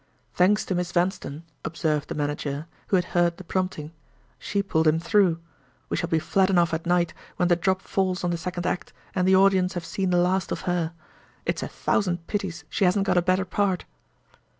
"Thanks to Miss Vanstone," observed the manager, who had heard the prompting. "She pulled him through. We shall be flat enough at night, when the drop falls on the second act, and the audience have seen the last of her. It's a thousand pities she hasn't got a better part!"